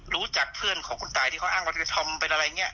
รู้จักเพื่อนของคุณตายที่เขาอ้างวัฒนภาษณ์ไปอะไรอย่างนี้